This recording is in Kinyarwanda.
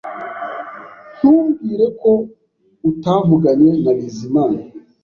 Ntumbwire ko utavuganye na Bizimana